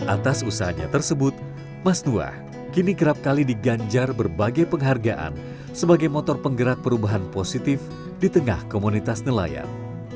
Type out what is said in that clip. atas usahanya tersebut mas nuah kini kerap kali diganjar berbagai penghargaan sebagai motor penggerak perubahan positif di tengah komunitas nelayan